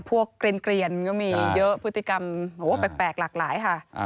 เกลียนก็มีเยอะพฤติกรรมแปลกหลากหลายค่ะ